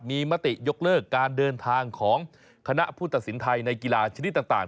มีมติยกเลิกการเดินทางของคณะผู้ตัดสินไทยในกีฬาชนิดต่าง